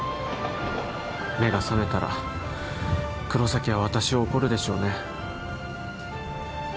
目が覚めたら黒崎は私を怒るでしょうね